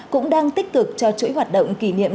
cũng đang tích cực cho chuỗi hoạt động kỷ niệm